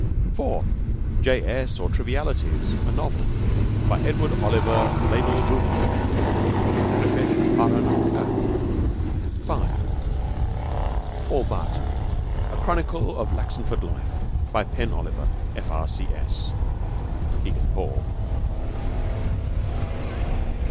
(4) J. S.; or, Trivialities: A Novel. By Edward Oliver Pleydell Bouverie. (Griffith, Farren and Co.) (5) All But: A Chronicle of Laxenford Life. By Pen Oliver, F.R.C.S. (Kegan Paul.)